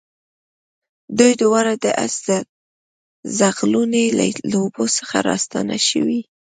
دوی دواړه د آس ځغلونې له لوبو څخه راستانه شوي وو.